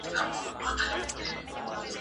قزلباشو د عباسقلي خان د ظلمونو په خاطر ښورښ وکړ.